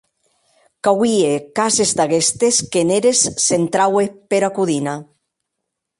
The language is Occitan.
Qu’auie cases d’aguestes qu’en eres s’entraue pera codina.